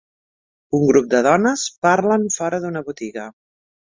U grup de dones parlen fora d'una botiga.